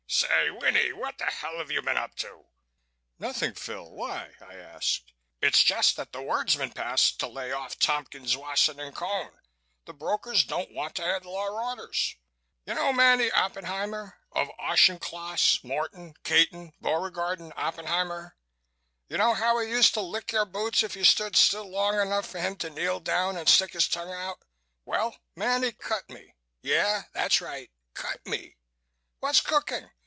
"Say, Winnie, what the hell have you been up to?" "Nothing, Phil. Why?" I asked. "It's just that the word's been passed to lay off Tompkins, Wasson & Cone. The brokers don't want to handle our orders. You know Manny Oppenheimer of Auchincloss, Morton, Caton, Beauregard & Oppenheimer? You know how he used to lick your boots if you stood still long enough for him to kneel down and stick his tongue out? Well, Manny cut me. Yeah, that's right. Cut me! What's cooking?